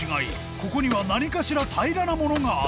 ここには何かしら平らなものがある］